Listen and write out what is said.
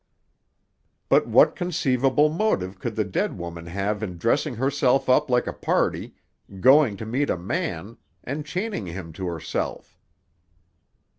"But what conceivable motive could the dead woman have in dressing herself up like a party, going to meet a man, and chaining him to herself?"